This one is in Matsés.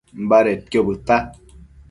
Badedquio bëdta